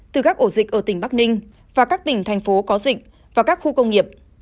từ các ổ dịch ở tỉnh bắc ninh và các tỉnh thành phố có dịch và các khu công nghiệp